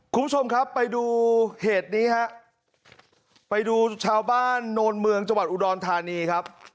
คุณผู้ชมครับไปดูเหตุนี้ฮะไปดูชาวบ้านโนนเมืองจังหวัดอุดรธานีครับ